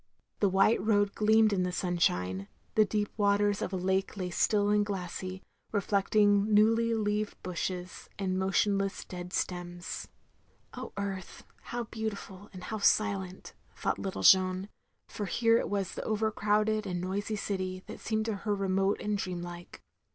266 THE LONELY LADY The white road gleamed in the sunshine, the deep waters of a lake lay still and glassy, reflect ing newly leaved btishes, and motionless dead stems. Oh, earth, how beautiftd and how silent, thought little Jeanne ; for here it was the over crowded and noisy city that seemed to her remote and dream like.